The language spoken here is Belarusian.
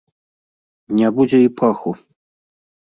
Не будзе і паху.